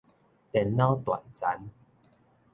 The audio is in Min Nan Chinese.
電腦斷層